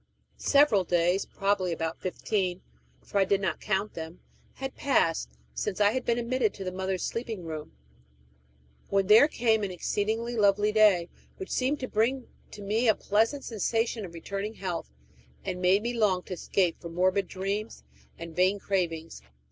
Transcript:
Several days probably about fifteen, for I did not count them had passed since I had been admitted into the mother's sleeping room, when there came an exceedingly lovely day, which seemed to bring to me a pleasant sensation of returning health, and made me long to escape from morbid dreams and vain cravings.